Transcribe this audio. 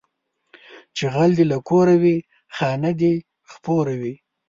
چې غل دې له کوره وي، خانه دې خپوره وي